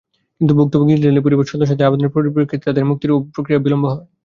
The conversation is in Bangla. কিন্তু ভুক্তভোগী ইসরায়েলি পরিবারের সদস্যদের আবেদনের পরিপ্রেক্ষিতে তাঁদের মুক্তির প্রক্রিয়ায় বিলম্ব হয়।